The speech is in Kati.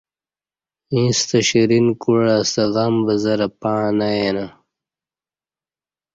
ییݩستہ شرین کوعہ ستہ غم بزرہ پݩع نہ یینہ